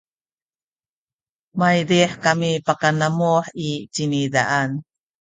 maydih kami pakanamuh i cinizaan